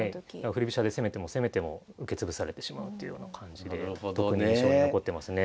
振り飛車で攻めても攻めても受け潰されてしまうというような感じで特に印象に残ってますね。